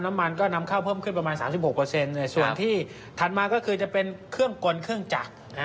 น้ำมันก็นำเข้าเพิ่มขึ้นประมาณ๓๖ส่วนที่ถัดมาก็คือจะเป็นเครื่องกลเครื่องจักร